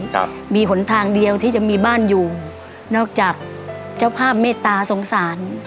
ครับมีหนทางเดียวที่จะมีบ้านอยู่นอกจากเจ้าภาพเมตตาสงสาร